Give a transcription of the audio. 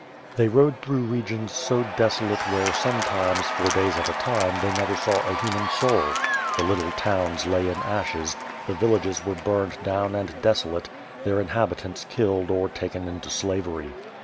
They rode through regions so desolate where sometimes, for days at a time they never saw a human soul. The little towns lay in ashes, the villages were burned down and deso late, their inhabitants killed or taken into slavery.